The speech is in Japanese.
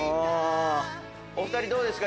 お２人どうですか？